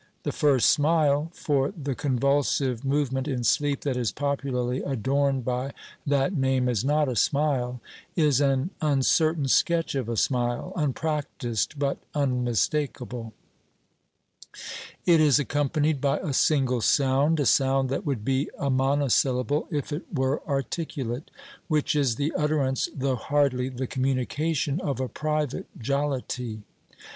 The first smile (for the convulsive movement in sleep that is popularly adorned by that name is not a smile) is an uncertain sketch of a smile, unpractised but unmistakable. It is accompanied by a single sound a sound that would be a monosyllable if it were articulate which is the utterance, though hardly the communication, of a private jollity.